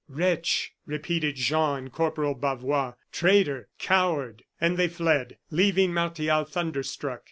"Wretch!" repeated Jean and Corporal Bavois, "traitor! coward!" And they fled, leaving Martial thunderstruck.